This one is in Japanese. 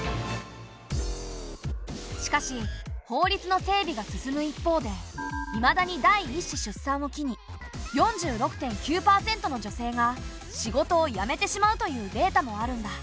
しかし法律の整備が進む一方でいまだに第１子出産を機に４６．９％の女性が仕事を辞めてしまうというデータもあるんだ。